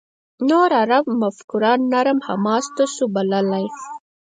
نور عرب مفکران «نرم حماس» نه شو بللای.